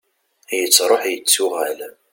yettruḥ yettuɣal